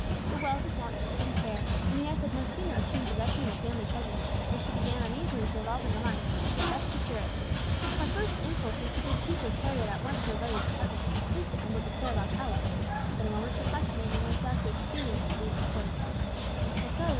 But wealth is wont to bring care, and Inez had no sooner obtained possession of the family treasure than she began uneasily to revolve in her mind how she could best secure it. Her first impulse was to bid Chico carry it at once to her brother's apartment, and place it under the care of Alcala. But a moment's reflection made Inez doubt the expediency of this course.